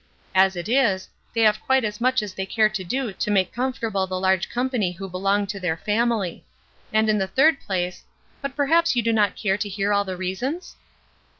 As it is, they have quite as much as they care to do to make comfortable the large company who belong to their family. And in the third place But perhaps you do not care to hear all the reasons?"